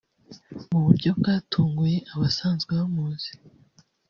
Mu buryo bwatunguye abasanzwe bamuzi